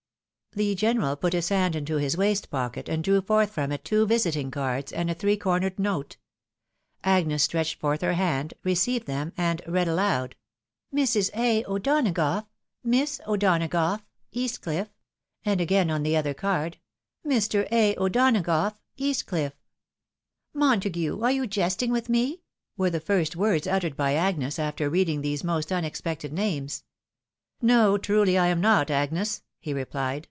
The general put his hand into his waistcoat pocket and drew forth from it two visiting cards, and a three cornered note. Agnes stretched forth her hand — received them — and read aloud — "Mrs. a. O'Donagough. " Miss O'Donagough. East Cliff:' and again on the other card — "Mk. a. O'Donagough. Bast Cliffy "Montague! Are you jesting with me?" were the first words uttered by Agnes after reading these most unexpected names. " No, truly am I not, Agnes," he replied.